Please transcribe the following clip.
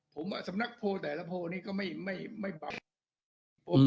ผมว่าสำนักโพลแต่ละโพลนี้ก็ไม่ปรับ